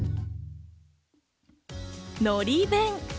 のり弁。